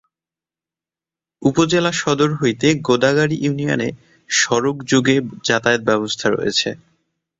উপজেলা সদর হইতে গোদাগাড়ী ইউনিয়নে সড়ক যোগে যাতায়াত ব্যবস্থা রয়েছে।